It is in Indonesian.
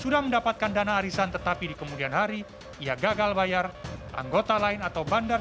sudah mendapatkan dana arisan tetapi di kemudian hari ia gagal bayar anggota lain atau bandar